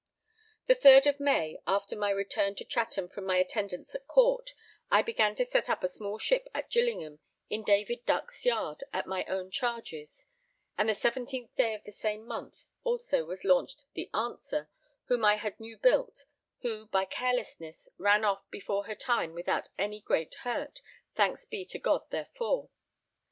The 3rd of May, after my return to Chatham from my attendance at Court, I began to set up a small ship at Gillingham in David Duck's yard at my own charges; and the 17th day of the same month also was launched the Answer, whom I had new built, who by carelessness ran off before her time without any great hurt, thanks be to God therefor.